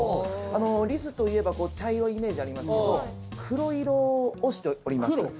リスといえば茶色いイメージありますけど黒色をしております。